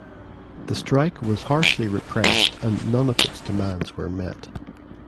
The strike was harshly repressed and none of its demands were met.